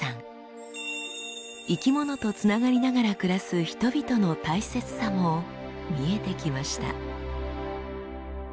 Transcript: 生きものとつながりながら暮らす人々の大切さも見えてきました。